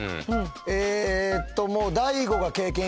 えーっと。